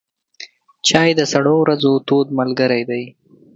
چای د سړو ورځو تود ملګری دی.